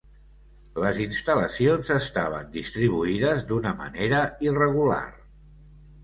Les instal·lacions estaven distribuïdes d'una manera irregular.